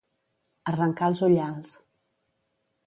Arrencar els ullals.